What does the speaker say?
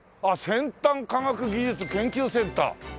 「先端科学技術研究センター」。